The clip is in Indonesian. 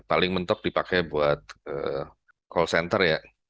paling mentok dipakai buat call center ya